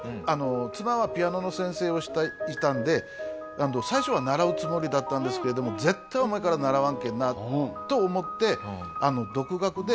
妻はピアノの先生をしていたんで最初は習うつもりだったんですけれども絶対お前から習わんけんなと思ってへえ。